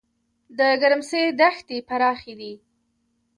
د ګرمسیر دښتې پراخې دي